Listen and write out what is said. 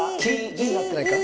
字になってないか？